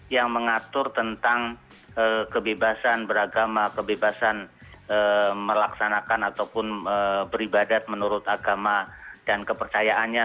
yang mengatur tentang kebebasan beragama kebebasan melaksanakan ataupun beribadat menurut agama dan kepercayaannya